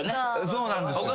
そうなんですよ。